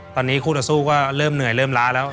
ตอนนี้คู่ต่อสู้ก็เริ่มเหนื่อยเริ่มล้าแล้ว